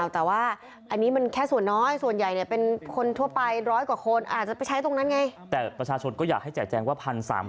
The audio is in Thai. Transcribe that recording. แต่ประชาชนก็อยากให้แจกแจงว่า